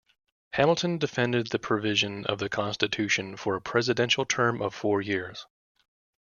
Hamilton defended the provision of the constitution for a presidential term of four years.